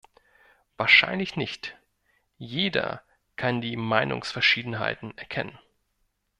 Wahrscheinlich nicht, jeder kann die Meinungsverschiedenheiten erkennen.